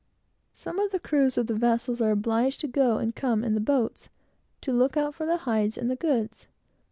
Some of the crews of the vessels are obliged to go and come in the boats, to look out for the hides and goods.